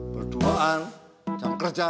berduaan jam kerja